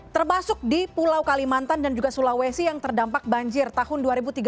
termasuk di pulau kalimantan dan juga sulawesi yang terdampak banjir tahun dua ribu tiga belas